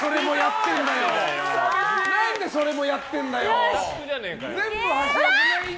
何でそれもやってんだよ！